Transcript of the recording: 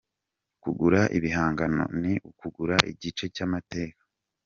Kugura ibihangano ni ukugura igice cy’amateka.